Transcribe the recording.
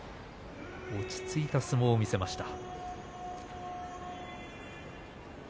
落ち着いた相撲を見せました。